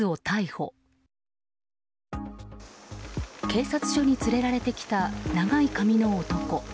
警察署に連れられてきた長い髪の男。